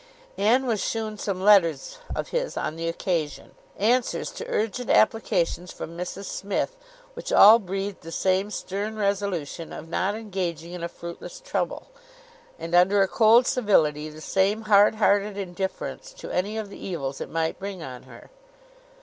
Anne was shewn some letters of his on the occasion, answers to urgent applications from Mrs Smith, which all breathed the same stern resolution of not engaging in a fruitless trouble, and, under a cold civility, the same hard hearted indifference to any of the evils it might bring on her.